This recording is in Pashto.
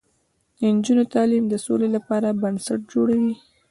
د نجونو تعلیم د سولې لپاره بنسټ جوړوي.